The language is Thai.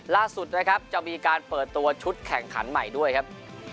ล่าสุดนะครับจะมีการเปิดตัวชุดแข่งขันใหม่ด้วยครับ